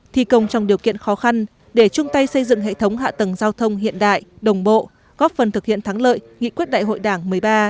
thi công trong điều kiện khó khăn để chung tay xây dựng hệ thống hạ tầng giao thông hiện đại đồng bộ góp phần thực hiện thắng lợi nghị quyết đại hội đảng một mươi ba